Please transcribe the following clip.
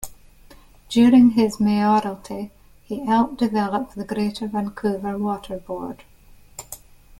During his mayoralty, he helped develop the Greater Vancouver Water Board.